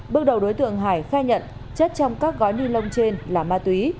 bước đầu đối tượng hải khai nhận chất trong các gói ni lông trên là ma túy